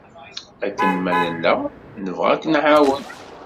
Akken ma nella nebɣa ad k-nɛawen.